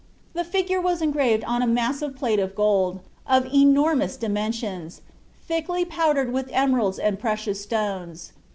The figure was engraved on a massive plate of gold, of enormous dimensions, thickly powdered with emeralds and precious stones....